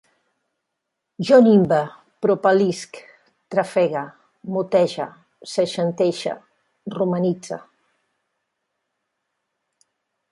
Jo nimbe, propel·lisc, trafegue, motege, seixantege, romanitze